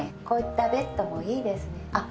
こういったベッドもいいですね。